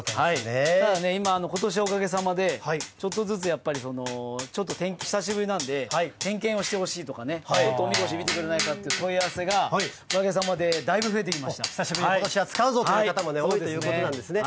ただ、ことしはおかげさまで、ちょっとずつやっぱり、ちょっと久しぶりなので、点検をしてほしいとかね、ちょっとお神輿見てくれないかという問い合わせが、おかげさまで久しぶりに、ことしは使うぞという方も多いということなんですね。